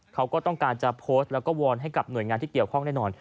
เขาก็ต้องการจะโพสต์แล้วก็วอนให้กับหน่วยงานที่เกี่ยวข้องแน่นอน